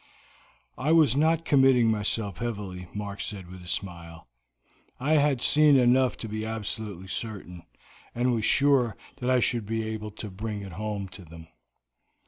"I was not committing myself heavily," Mark said with a smile. "I had seen enough to be absolutely certain, and was sure that I should be able to bring it home to them."